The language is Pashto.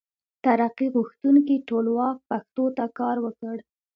ترقي غوښتونکي ټولواک پښتو ته کار وکړ.